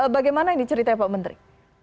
bagaimana ini cerita ya pak menteri